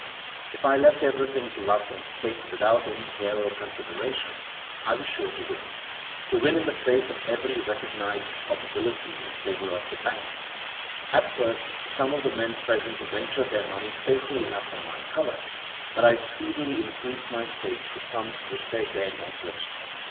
If I left everything to luck, and staked without any care or consideration, I was sure to win — to win in the face of every recognized probability in favor of the bank. At first some of the men present ventured their money safely enough on my color; but I speedily increased my stakes to sums which they dared not risk.